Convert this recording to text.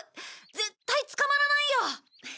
絶対捕まらないよ。